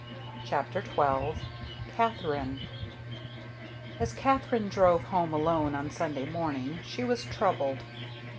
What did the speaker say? CHAPTER XII KATHERINE As Katherine drove home alone on Sunday morning she was troubled.